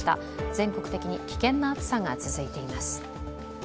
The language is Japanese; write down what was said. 全国的に危険な暑さが続いています。